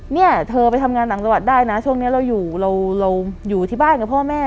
เนี่ยเธอไปทำงานตลอดได้นะช่วงนี้เราอยู่ที่บ้านกับพ่อแม่